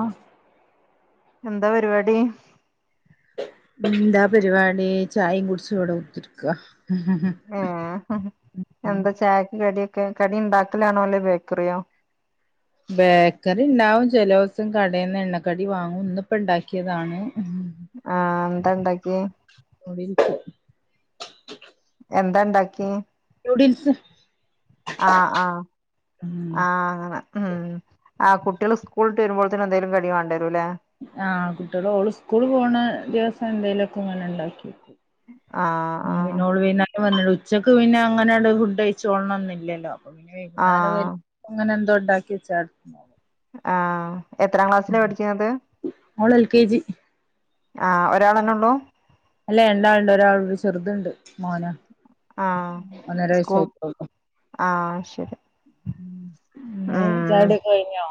ആഹ് എന്താ പരിപാടി എന്താ പരിപാടി ചായയും കുടിച്ച് വടെ കുത്തിര്ക്ക എന്താ ചായക്ക് കടിയൊക്കെ കടിണ്ടാക്കലാണോ അല്ലേ ബേക്കറിയോ ബേക്കറിണ്ടാവും ചെലോസം കടെന്ന് എണ്ണക്കടി വാങ്ങും ന്നിപ്പ ണ്ടാക്കിയതാണ് ആ എന്താണ്ടാക്ക്യേ [inaudible] എന്താണ്ടാക്ക്യേ നൂഡിൽസ് അ ആ ഉം ആ ഉം ആ കുട്ട്യാള് സ്കൂള് ട്ടെരുമ്പോള്ത്ത്ന് എന്തേലും കടി വാണ്ടരുല്ലേ ആ കുട്ട്യാള് ഓള് സ്കൂള് പോണ ദിവസം എന്തെലൊക്കെങ്ങനെ ണ്ടാക്കെക്കും ആ അ അത് പിന്നെ ഓള് വൈന്നേരം വന്ന്ട്ട് ഉച്ചക്ക് പിന്നെ അങ്ങനണ്ട് ഫുഡയ്ച്ചോൾണംന്നില്ലല്ലോ പ്പ പിന്നെ ആ വൈകുന്നാരം വെര്മ്പോ ങ്ങനെന്തോ ണ്ടാക്കി വെച്ചാതി ആ എത്രാം ക്ലാസ്സില പഠിക്കുന്നത് മോള് എൽ കെ ജി ആ ഒരാളെന്നെള്ളൂ അല്ലെ രണ്ടാള്ണ്ട് ഒരാളൂട്യും ചെറ്ത്ണ്ട് മോനാ ആ സ്കൂൾ ഒന്നെരവയസായിട്ടൊള്ളു ആ ശരി ങ്ങള് ഉം ചായുടിക്കെ കയ്ഞ്ഞോ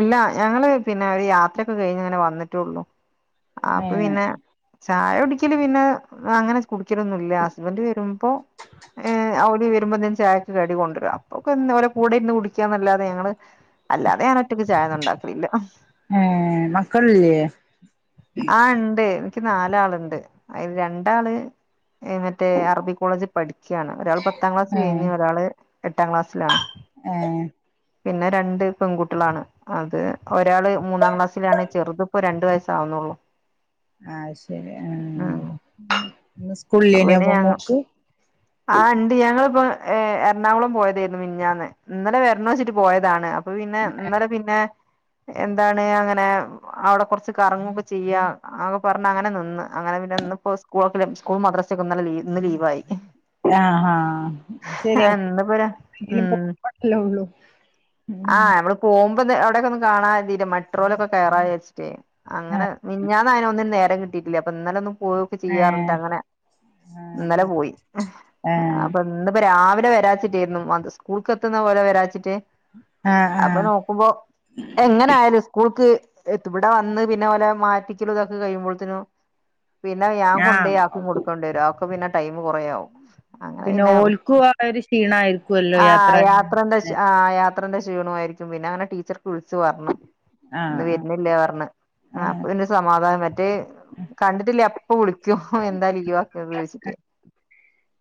ഇല്ല ഞങ്ങള് പിന്നെ ഒരു യാത്രയൊക്കെ കയ്ഞ്ഞങ്ങനെ വന്നിട്ടേള്ളു അപ്പൊ ഏഹ് പിന്നെ ചായുടിക്കല് പിന്നെ അങ്ങനെ കുടിക്കലൊന്നുല്ല ഹസ്ബന്റ് വെരുമ്പോ ഏ ഓര് വെരുമ്പോ ന്തേലും ചായ ക്ക്‌ കടി കൊണ്ട്രുരും അപ്പൊക്കൊന്ന് ഓരെ കൂടെ ഇര്ന്ന് കുടിക്കാന്നല്ലാതെ ഞങ്ങള് അല്ലാതെ ഞാനൊ റ്റക്ക്‌ ചായൊന്നുംണ്ടാക്കലില്ല ഏ മക്കളില്ലേ ആ ണ്ട് ൻക്ക് നാലാള്ണ്ട് അയ്ല് രണ്ടാള് എ മറ്റേ അറബി കോളേജ് പഠിക്കാണ് ഒരാള് പത്താം ക്ലാസ് ഏഹ് കഴിഞ്ഞ് ഒരാള് എട്ടാം ക്ലാസ്സിലാണ് ഏഹ് പിന്നെ രണ്ട് പെൺകുട്ട്യളാണ് അത് ഒരാള് മൂന്നാം ക്ലാസ്സിലാണ് ചെറുത്പ്പോ രണ്ട് വയസ്സാവുന്നൊള്ളു അത് ശെരി ആ ഇന്ന് സ്കൂൾല്ലെയ്യ്നോ പ്പം മോക്ക് ആ ണ്ട് ഞങ്ങളിപ്പോ ഏ എറണാകുളം പോയതേര്ന്നു മിഞ്ഞാന്ന് ഇന്നലെ വെരണം ച്ച്ട്ട് പോയതാണ് അപ്പൊ പിന്നെ ഇന്നലെ പിന്നെ എന്താണ് അങ്ങനെ അവടെ കൊർച്ച് കറങ്ങൊക്കെ ചെയ്യാ അങ്ങ് പർഞ്ഞ് അങ്ങനെ നിന്ന് അങ്ങനെ പിന്നെ ന്ന്പ്പൊ സ് കൂളൊക്കെല്ലെ സ്കൂളും മദ്രസക്കെന്നലെ ഇന്ന് ലീവായി ആ ആ ശെരിയാ [unintelligible] [unintelligible] ഒള്ളൂ ഉം പോമ്പൊന്ന് അവ്ടെക്കൊന്ന് കാണാര്തീല മട്രോലൊക്കെ കേറ വേച്ചിട്ടേ അങ്ങനെ ആഹ് മിഞ്ഞാന്ന് അയിനോന്നും നേരം കിട്ടിട്ടില്ല അപ്പ ഇന്നലെ ഒന്നു പോ ഏഹ് ചെയ്യാർണിട്ടങ്ങനെ ഇന്നലെ പോയി ഏഹ് ആപ ഇന്നിപ്പ രാവിലെ വേരാച്ചിട്ടേര്ന്നു മദ് സ്കൂൾക്ക് എത്തിന്ന പോലെ വരാച്ചിട്ട് ആഹ് ആഹ് ക്കുമ്പോ എങ്ങനായാലും സ്കൂൾക്ക് എതു ഇവടെ വന്ന് പിന്ന ഓല മാറ്റിക്കലു ഇതൊക്കെ കഴിയുമ്പോത്തിനു പിന്നെ ഞാൻ ആഹ് കൊണ്ടേയി ആക്ക് കൊടുക്കേണ്ടി വേരും ആക് അപ്പ പിന്നെ ടൈമ് കൊറേയാവും അങ്ങനെ പിന്നെ ഉ ഓൽക്കും ആ ഒരു ക്ഷീണായിരിക്കുവല്ലോ യാത്ര ആഹ് യാ യാത്രന്റെ ഷി ആഹ് യാത്രൻ്റെ ക്ഷീണോ ആയിരിക്കും പിന്നെ അങ്ങനെ ടീച്ചർക്ക് വിളിച്ച് പർഞ്ഞ് ആഹ് ന്ന് ആഹ് വേര്ന്നില്ലേ പർഞ്ഞ് അപ്പ ആഹ് പിന്നെരു സമാധാനം മേറ്റേ കണ്ടിട്ടില്ലേ അപ്പം വിളിക്കും എന്താ ലീവാക്ക്യേത് ഓയ്ച്ചിട്ട്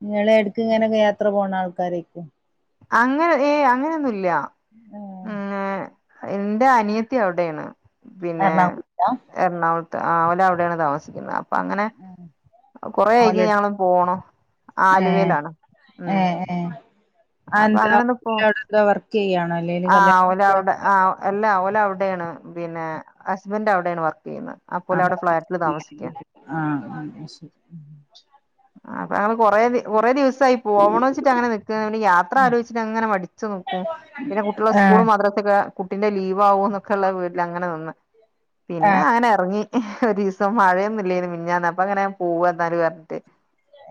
ഇങ്ങള് എടക്ക് ഇങ്ങനൊക്കെ യാത്ര പോണാൾക്കാരേയ്ക്ക്യും അങ്ങൻ ഏഹ് അങ്ങനെന്നുല്ലാ ഉം ഏഹ് ഇന്റ അനിയത്തി അവ്ടേണ് പിന്നേ എറണാകുളത്താ എർണാകൊൾത്ത് ആഹ് ഓല് അവടേണ് താമസിക്കിന്നേ അപ്പ അങ്ങനെ കൊറെ ആയിക് ഓലെട് ഞങ്ങള് പോണം ഏഹ് ആലുവേലാണ് ഉം ഏഹ് ഏഹ് അപ്പൊ അങ്ങനൊന്ന് പോ [unintelligible] വർക്കെയ്യാണോ അല്ലേല് കല്യാണം [unintelligible] എല്ലാ അവല് അവടേണ് പിന്നെ ഹസ്ബൻ്റ് അവടേണ് വർക്കെയ്യ്ന്നേ [unintelligible] ആഹ് ആഹ് ശെരി ആഹ് അപ്പ അങ്ങള് കൊറേ കൊറേ ദിവസം ആയി പോവണ വെച്ചിട്ട് അങ്ങനെ നിക്കി യാത്ര ആലോയ്ച്ചിട്ടങ്ങനെ മടിച്ച് നിക്കും പിന്നെ കുട്ട്യോളെ സ്കുളും ആഹ് മ ദ്രസൊക്കെ കുട്ടിന്റെ ലീവാവോന്നൊക്കെ ഇള്ളെ വീട്ടില് അങ്ങനെ നിന്ന് പിന്ന ആഹ് അങ്ങനെ എർങ്ങി ഒരീസം മഴേന്നുല്ലേനീ മിഞ്ഞാന്ന് അപ്പങ്ങനെ പോവ്വാ ഇന്നാല് പർഞ്ഞിട്ട്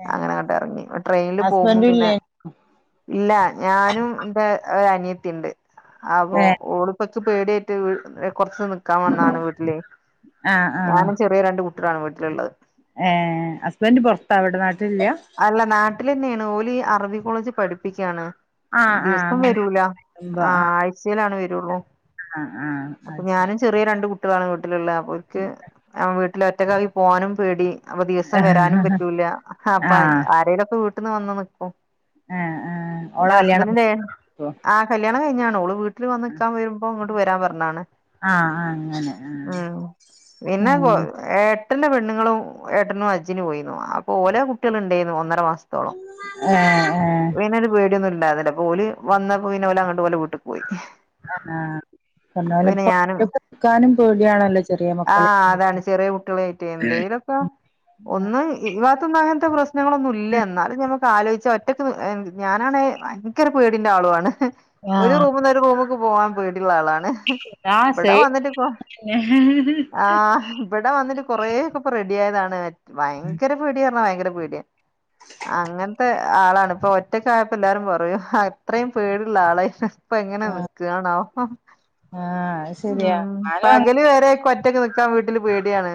ഏഹ് അങ്ങനെങ്ങട്ട് എർങ്ങി ട്രെയിൻല് പോമ്പം ഹസ്ബൻഡും പിന്നെ ഇല്ലേ ഇല്ല ഞാനും ഇന്റെ ഒരനിയത്തിണ്ട് അപ്പൊ ഏഹ് ഓളും ച്ച് പേട്യായ്ട്ട് വീ കൊർച്ച് നിക്കാൻ വന്നണ് വീട്ടിലേ ആഹ് ആഹ് ഞാനും ചെ റ്യേ രണ്ട് കുട്ട്യാളാണ് വീട്ടിലിള്ളത് ഏഹ് ഹസ്ബൻ്റ് പൊർത്താ ഇവ്ടെ നാട്ട്ലില്ല അല്ല നാട്ടിലെന്നേണ് ഓല് അറബി കോളേജി പഠിപ്പിക്ക്യാണ് ആഹ് ആഹ് ദിവസം അങ്ങനെ വേരൂല്ലാ ആഹ് ആഴ്ചേലാണ് വെരൊള്ളൂ ആഹ് ആഹ് അത് ശെരി റ്യേ രണ്ട് കുട്ട്യാളാണ് വീട്ടില് ഇള്ളേ അപ്പോര്ക്ക് വീട്ടില് ഒറ്റക്കാക്കി പോവാനും പേടി അപ ദിവസം വെരാനും ആഹ് പറ്റൂല്ല്യാ അപ്പം ആരേലോക്കെ വീട്ടിന്ന് വന്ന് നിക്കും ആഹ് ആഹ് പിന്നെ ഹസ്ബന്റിൻ്റേ ആഹ് കല്യാണം കഴിഞ്ഞ്യാണ് ഓള് വീട്ടില് വന്ന് നിക്കാൻ വെര്മ്പോ ഇങ്ങട്ട് വേരാ പർഞ്ഞാണ് ആഹ് ആഹ് അങ്ങനെ ആഹ് പിന്നെ കൊ ആഹ് ഏട്ടൻ്റെ പെണ്ണിങ്ങളും ഏട്ടനും ഹജ്ജന് പോയീന്നു അപ്പോ ഓല കുട്ട്യേള് ഇണ്ടേന്നു ഒന്നര മാസ്ത്തോളം ഏഹ് ഏഹ് ങ്ങനെ ഒരു പേട്യൊന്നും ഇണ്ടാര്ന്നില്ലാ അപ ഓല് വന്നപ്പോ പിന്നെ ഓല് അങ്ങട്ട് ഓലെ വീട്ടിക്ക് പോയി ആഹ് പർഞ്ഞാ പോലെ പിന്നെ ഇപ്പ ഞാനും ഒറ്റക്കിക്കാനും പേടിയണല്ലോ ചെറിയെ മക്കളെ [inaudible] ചെറിയേ കുട്ട്യാളേ റ്റെ എന്തേലൊക്കെ ഒന്ന് ഈ വാത്തൊന്നു അങ്ങൻത്തെ പ്രശ് നങ്ങളൊന്നുല്ല ഇന്നാലും ഞമങ്ങക്ക് ആലോയ്ച്ചാ ഒ [unintelligible] ഞാനാണേ വയ്ങ്കര പേടിന്റെ ആള്വാണ് ഒര് ആഹ് റൂമ്ന്ന് ഒര് റൂമിക്ക് പോവാൻ പേടിള്ളാളാണ് ആഹ് ഇവടെ സെയിം വന്നിട്ട് ഇപ്പോ ആഹ് ഇവിടെ വന്നിട്ട് കൊറേ ഒക്കെ ഇപ്പൊ റെഡി ആയതാണ് ഭയങ്കര പേടിയാ പറഞ്ഞാ ഭയങ്കര പേടിയാ അങ്ങനത്തെ ആളാണ് ഇപ്പൊ ഒറ്റക്കായപ്പോ എല്ലാരും പറയൂ അത്രയും പേടുള്ള ആളായി ഇപ്പ എങ്ങനെ തന്നെ ആഹ് നിക്കവാണോ ആഹ് അത് ശരിയാ ഉം ഞാനും പകല് വരെ ഒ - ഒറ്റക്ക് നിക്കാൻ വീട്ടില് പേടിയാണ്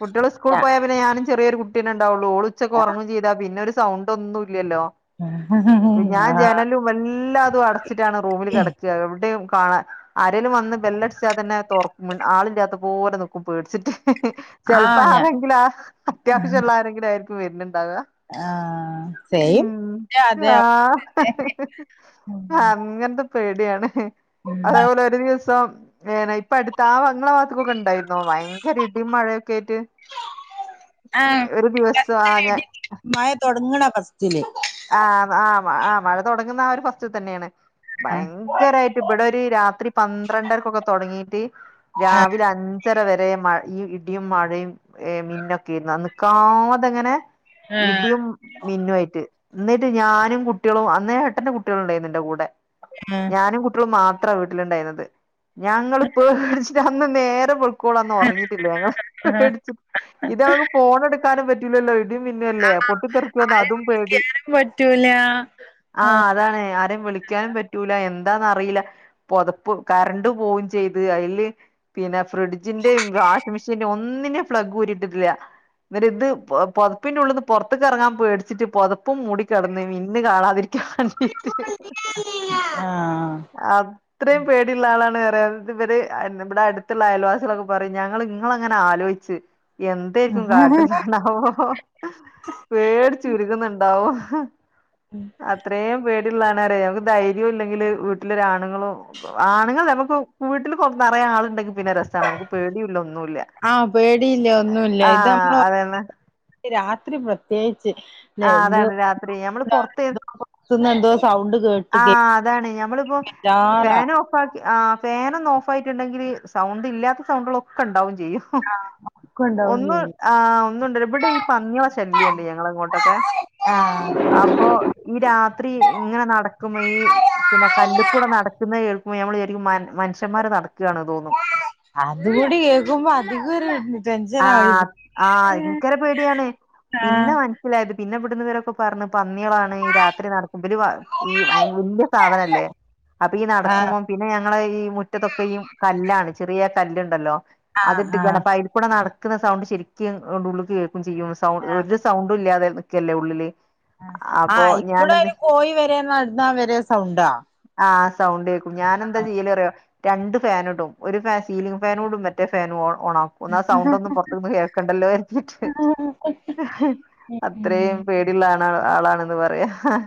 കുട്ടികള് - സ്കൂളി പോയാ പിന്നെ ഞാനും ചെറിയൊ കുട്ടീ തന്നെയുണ്ടാവുള്ളു ഓള് ഉച്ചക്ക്‌ ഉറങ്ങും ചെയതാ പിന്നെ സൗണ്ട് ഒന്നും ഇല്ലല്ലോ അങ്ങനെ ഞാൻ ആഹ് ജനലും എല്ലാതും അടച്ചിട്ടാണ് റൂമിൽ കെടക്കുക എവിടെയും കാണാ- ആരെലും വന്ന് ബെല്ലടിച്ചാ തന്നെ തുറക്കും ആളില്ലാത്ത പോലെ നിക്കും പേടിച്ചിട്ട് ചെലപ്പോ ആഹ് ഞാൻ ആരെങ്കിലും അത്യാവശ്യമുള്ള ആരെങ്കിലും ആയിരിക്കും വരുന്നുണ്ടാവുക ആഹ് സെയിം ഉം അതെ ആഹ് അങ്ങനത്തെ - പേടിയാണ് അതേപോലെ ഒരു ദിവസം- ഇപ്പ അടുത്ത ആ നിങ്ങളെ ഭാത്തക്കൊക്കെ ഒണ്ടായിരുന്നോ ഭയങ്കര ഇടിയും മഴയൊക്കെയായിട്ട് ആഹ് ഒരു ദിവസം ആ ഞാൻ- മഴ തൊടങ്ങണ ഫസ്റ്റിലെ ആഹ് ആ ഹ് ആഹ് മഴ തൊടങ്ങുന്ന ആ ഒരു ഫസ്റ്റില് തന്നെയാണ് ആഹ് ഭയ- ഭയങ്കരയിട്ട് ഇവിടെ ഒരു രാത്രി പന്ത്രണ്ടരക്കൊക്കെ തൊങ്ങീട്ട് രാവിലെ അഞ്ച്- അഞ്ചര വരെയും മഴ ഈ ഇടിയും മഴയും മിന്നൊക്കെയായിരുന്നു നിക്കാതെ അങ്ങനെ- ആഹ് ഇടിയും മിന്നുയായിട്ട് എന്നിട്ട് ഞാനും കുട്ടികളും അന്ന് ഏട്ടന്റെ കുട്ടികള് ഉണ്ടായിരുന്നു എന്റെ കൂടെ ഞാനും കുട്ടിക- മക്കളും മാത്ര വീട്ടിലുണ്ടയിരുന്നത് ഞങ്ങളപ്പോ പേടിച്ചിട്ട് അന്ന് നേരം - ഒരു പോള അന്ന് ഒറങ്ങിയിട്ടില്ലേ ഞങ്ങള് ആഹ് പേടിച്ച് ഇത് അവുമ്പോ ഫോണ് എടുക്കാനും പറ്റൂല്ലല്ലോ പിന്നെ അല്ലേ പൊട്ടിത്തെരിക്കുവോന്ന് ആരേം അതും പേടി വിളിക്കാനും പറ്റൂല ആഹ് അതാണ് ആരും വിളിക്കാനും പറ്റൂല എന്താന് അറിയില്ല പൊതപ്പ് കറണ്ട് പോവും ചെയ്ത് അതില്- പിന്നെ ഫ്രിഡ്ജിന്റയും വാഷിംഗ് മെഷീന്റെ ഒന്നിന്റെയും പ്ലഗ്ഗ് ഊരിയിട്ടില്ല അന്നേരം ഇത് പൊതപ്പിനുള്ളിന്ന് പൊറത്തേക്ക് എറങ്ങാൻ പേടിച്ചിട്ട് പൊത - ഇപ്പം മൂടി കെടന്നേനേം ഇന്ന് കാണാതിരിക്കാൻ വേണ്ടീട്ട് [unintelligible] ആഹ് അ [unintelligible] ഇത്രയും പേടിയുള്ള ആളാണ് പറയത് ഇവര് ഇവിടെ അടുത്തുള്ള അയൽവാസികളൊക്കെ പറയും ഞങ്ങള് നിങ്ങളെയിങ്ങനെ ആലോചി- എന്തായിക്കും കാട്ടണതാവോ പേടി ചുരുക്കുന്നുണ്ട് ന്തഓ [unintelligible] ഉ [unintelligible] അത്രയും പേടിയുള്ളവരാണ് നമക്ക് ധൈര്യവും ഇല്ലെങ്കില് വീട്ടിലെ ആണുങ്ങളും - ആണുങ്ങൾ നമുക്ക് വീട്ടിൽ കൊറേ നറേ ആളുണ്ടെങ്കിൽ പിന്നെ രസമാണ് നമുക്ക്- പേടിയില്ല ഒന്നുല്ല ആഹ് പേടിയില്ല ആഹ അരാണ് എനിക്ക് രാത്രി പ്രത്യേകിച്ച് ആഹ് അതാണ് [unintelligible] രാത്രി ഞമ്മള് പുറത്ത് ഇന്ന് എന്തോ സൗണ്ട് കേട്ട്- ആഹ് അതാണയെ ഞമ്മളിപ്പോ ബേജാറാ ഫാനും- ആ ഫാനൻ ഒന്ന് ഓഫ് ആയിട്ടുണ്ടെങ്കിൽ സൗണ്ട് ഇല്ലാത്ത സൗണ്ടുകള ഒക്കെ ഉണ്ടാവും ചെയ്യും ആഹ് ഒന്ന് ആ ഒന്നുണ്ട് ഇവിടെ ഈ പന്നിയെടെ ശല്യുണ്ട് ഞങ്ങളെ ഇങ്ങോട്ടൊക്കെ ആഹ് അപ്പൊ ഈ രാത്രി ഇങ്ങനെ നടക്ക- കേക്കുമ്പോ ഈ പിന്നെ കല്ലുക്കൂടെ നടക്കുന്നത് കേൾക്കുമ്പോ നമ്മള് വിചാരിക്കും മനുഷ്യന്മാര് നടക്കുകയാണ് തോന്നും അത് കൂടി കേക്കുമ്പോ അധിക ഒരു- ടെൻഷനായി ആഹ് ആഹ് ഭങ്കര പേടിയാണ് ആഹ് പിന്നെ മ- ഇല്ലത് പിന്നെ ഇവിടുന്ന് ഇവരൊക്കെ പറഞ്ഞു പന്നികളാണ് ഈ ആഹ് രാത്രി നട- ഇവര് ഈ ഭയങ്കര സാധനല്ലേ അപ്പൊ ഈ ആഹ് നടക്കുമ്പം- പിന്നെ ഞങ്ങള ഈ മുറ്റത്തൊക്കെ ഈ കല്ലാണ് ചെറിയ കല്ലുണ്ടല്ലോ അത് ആഹ് ഇട്ട് ആഹ് പൈ കൂടെ നടക്കുന്ന സൗണ്ട് ശരിക്കും അങ്ങട്ട് ഉള്ളുക്ക് കേൾക്കും ചെയ്യും സൗണ്ട് ഒരു സൗണ്ടും ഇല്ലാതെ നിക്കല്ലേ ഉള്ളില് ആ അപ്പൊ ആയിക്കൂടെ ഞാനെന്ത് അങ്ങ് പോയി വരാ നടന്നാ വര സൗണ്ടാ ആഹ് സൗണ്ട് കേക്കും ഞാനന്താ ചെയ്യലേറിയോ രണ്ട് ഫാനും ഇടും ഒരു ഫാൻ സീലിംങ് ഫാനൂടും മറ്റേ ഫാനും ഓൺ ഓൺ ആകും ഒന്നാമത് സൗണ്ടൊന്നും പുറത്തുന്ന് കേക്കണ്ടല്ലോ കര്തീട്ട് അത്രയും പേടില്ലാ ണ ആളാണ് ന്ന് പറയാ ആഹ്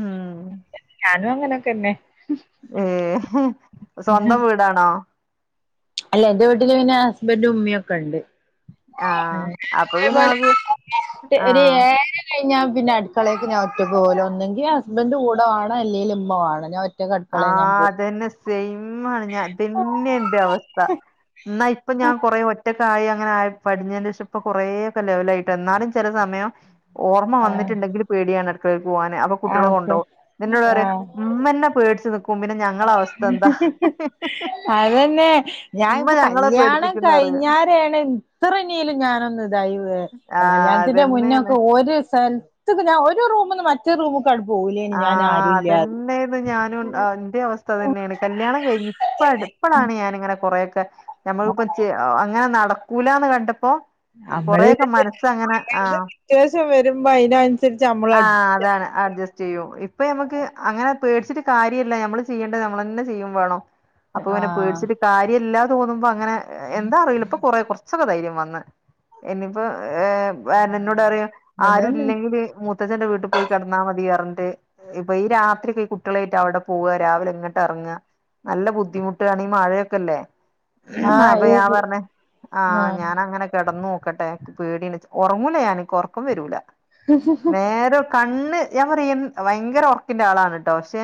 ഉമ് ഞാനും അങ്ങനൊക്കെന്നെ ഉമ് സ്വന്തം വീടാണോ? അല്ല ഇന്റെ വീട്ടില് പിന്നെ ഹസ്ബന്റും ഉമ്മയും ഒക്കെ ണ്ട്. ആഹ് അപ്പൊ അതേ പിന്നെ പോലെ നമക്ക് ട്ട് ഒരു ആഹ് ഏഹ് കഴിഞ്ഞാ പിന്നെ അടുക്കളേക്ക് ഞാൻ ഒറ്റക്കോവൂല ഒന്നെങ്കിൽ ഹസ്ബൻ് കൂട വാണം അല്ലെങ്കി ഉമ്മ വാണം ഞാൻ ഒ ആഹ് അതന്നെ സെയിമാണ് ഞാൻ തന്നെ എന്റെ അവസ്ഥ എന്നാ ഇപ്പൊ ഞാൻ കൊറേ ഒറ്റക്ക അ ആയി അങ്ങനെ ആയി പടിഞ്ഞതിന്റെ ശേഷം ഇപ്പൊ കൊറേക്കെ ലെവൽ ആയിട്ടാ ന്നാലും ചില സമയം ഓർമ്മ ആഹ് വന്നിട്ടുണ്ടെങ്കിൽ പേടിയാണ് അടുക്കളക്ക് പോകാൻ അപ്പൊ കുട്ട്യാളെ ആഹ് കൊണ്ടോവും ന്നോട് പറയാ ആഹ് മ്മന്നെ പേടിച്ച് നിക്ക് അതന്നെ ഉമ്മ ഞാനിപ്പ ഞങ്ങളെ കല്യാണം പേടിപ്പിക്കുംന്ന് പറയും കഴിഞ്ഞാല് വേണൻ ഇത്ര നലും ഞാനൊന്ന് ഇതൈ വെ ആഹ് കല്യാണത്തിന്റെ അതന്നെയാണ് മുന്നൊക്കെ ഒരു സൽ ത്ത്ന്ന് ഞാൻ ഒരു റൂമിന്നു മറ്റൊ റൂമ് ക്കട് പോവൂലേ ആഹ് അതന്നെന്നു ഞാനും ആഹ് അവസ്ഥ ഇതന്നെയാണ് കല്യാണം കഴിഞ്ഞ് ഇപ്പടു പ്പളാണ് ഞാനിങ്ങനെ കുറെക്കെ ഞമ്മൾപ്പ ച്ച് അങ്ങനെ നടക്കൂലാന്ന് കണ്ടപ്പോ കൊറെക്കെ മനസ്സങ്ങനെ ആഹ് ത്യാവശ്യം വരുമ്പോ അയിനാന് ആഹ് അതാണ് അഡ്ജസ്റ്റ് ചെയ്യും ഇപ്പ നമുക്ക് അങ്ങനെ പേടിച്ചിട്ട് കാര്യല്ല നമ്മള് ചെയ്യേണ്ടത് നമ്മൾ തന്നെ ചെയ്യും വാണം അപ്പൊ പിന്നെ പേടിച്ചിട്ട് ആഹ് കാര്യംല്ലാ തോന്നുമ്പോ അങ്ങനെ എന്താ അറിയില്ല പ്പ കൊറേ കുറ ച്ചകെ ധൈര്യം വന്ന് ഇനിപ്പോ ഏഹ് എന്നോടറയാ അതന്നെ ആരൂല്ലെങ്കില് മുത്തച്ഛന്റെ വീട്ടി പോയി കടന്നാൽ മതി പറഞ്ഞിട്ട് ഇപ്പൊ ഈ രാത്രി ഒക്കെ ഈ കുട്ട്യാളയിട്ട് അവിടെ പോവ രാവിലെ ഇങ്ങട്ട് ഇറങ്ങ നല്ല ബുദ്ധിമുട്ടു ആണ് ഈ മഴയൊക്കെ ല്ലേ ആഹ് അപ്പൊ ഞാൻ ഈ പറഞ്ഞ ആഹ് ഞാനങ്ങനെ കിടന്നു നോക്കട്ടെ പേടിയാണ് ഉറങ്ങൂല ഞാൻ എനിക്ക് ഉറക്കം വരൂല. നേര കണ്ണ് ഞാൻ പറയാ ഭയങ്കര ഉറക്കിന്റെ ആളാണ് ട്ടോ പക്ഷെ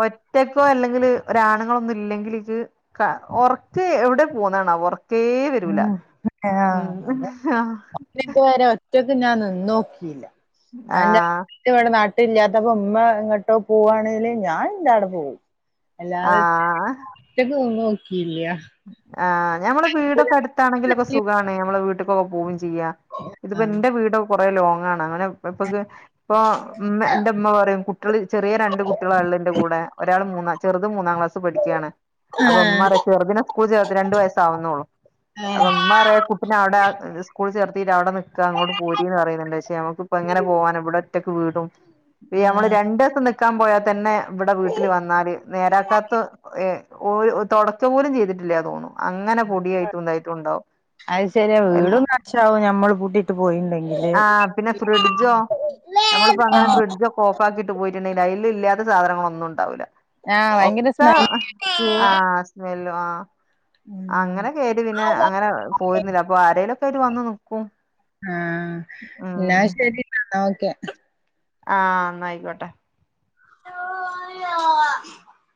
ഒ റ്റക്കോ അല്ലെങ്കിൽ ഒരാണുങ്ങളൊന്നും ഇല്ലെങ്കിൽ ഇച്ച് ക്ക ഒർക് എവിടെ പോണെന്നാവോ ക്കേ വരൂല ഉം ആഹ് ഉമ് അത ആഹ് ഇത് വരെ ഒറ്റക്ക് ഞാൻ നിന്നോക്കിയില്ല ആഹ് ഇക്ക ഇവിടെ നാട്ടി ഇല്ലാത്തപ്പ ഇമ്മ എങ്ങട്ടോ പോവാണെങ്കില് ഞാൻ ഇന്റടെ പോവും അല്ലാത ആഹ് ഒറ്റക്ക്‌ നിന്ന് നോക്കിയില്ല്യാ ആഹ് ഞമ്മടെ വീടൊക്കെ അടുത്താണെങ്കിലൊക്കെ സുഖാണ് ഞമ്മളെ വീട്ട് ക്കൊക്കെ പോവും ചെയ്യാ ഇതിപ്പോ ആഹ് ഇന്റെ വീട് കൊറേ ലോങ് ആണ് അങ്ങനെ അപ്പൊക്ക്‌ ഇപ്പൊ ഇമ്മ എന്റെമ്മ പറയും കുട്ട്യാള് ചെറിയ രണ്ട് ട്ടള്ളാ ള്ളിന്റെ കൂടെ ഒരാൾ മൂന്ന ചെറുത് മൂന്നാംക്ലാസ് പഠിക്കാണ് അപ്പൊ ഇമ്മറ്യാ ചെറുതിനെ സ്കൂളി ചേർത്തില്ല രണ്ട് വയസ്സാവുന്നുള്ളൂ അപ്പൊ ആഹ് ഇമ്മറയാ കുട്ടിനെ അവിടെ സ്കൂൾ ചേർത്തിട്ട് അവിടെ നിക്കാ ഇങ്ങോട്ട് പോരിന്ന് പറയുന്നുണ്ട് പക്ഷേ നമുക്ക് ഇപ്പങ്ങനെ പോവാനാ ഇവടെ ഒറ്റക്ക് വീടും പ്പിയമ്മള് രണ്ട്സം നിക്കാൻ പോയാൽ തന്നെ ഇവിടെ വീട്ടില് വന്നാല് നേരാക്കാത്ത ഏഹ് ഓല് തൊടച്ച പോലും ചെയ്തിട്ടില്ലാ തോന്നും അങ്ങനെ പൊടിയായിട്ടും ഇതായിട്ടും ഉണ്ടാവും. അയ് സെരിയാ എല്ലാം വീടും നാഷാവും ഞമ്മള് പൂട്ടിട്ട് പോയിണ്ടെങ്കില്. നമ്മളിപ്പ അങ്ങനെ ഫ്രിഡ്ജൊക്കെ ഓഫാക്കിട്ട് പോയിട്ട്ണ്ടങ്കിൽ അയ്ല് ഇല്ലാത്ത സാധനങ്ങളൊന്നും ഉണ്ടാവൂല്ല. ആഹ് ഭയങ്കര ഒക്ക സ്മെല്ല് ആഹ് സ്മെല്ല ആഹ് ഉം അങ്ങനെ കേതി പിന്നെ ആഹ് അങ്ങനെ പോര്ന്നില്ല അപ്പൊ ആരേലൊക്കായ്ട്ട് വന്ന് നിക്കും. ആഹ് ഇന്നാ ഉം ശരി ഓക്കെ ആഹ് ന്നയ്ക്കോട്ടെ. [unintelligible]